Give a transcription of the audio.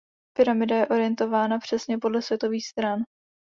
Pyramida je orientována přesně podle světových stran.